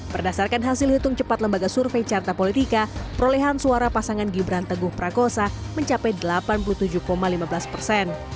berdasarkan hasil hitung cepat lembaga survei carta politika perolehan suara pasangan gibran teguh prakosa mencapai delapan puluh tujuh lima belas persen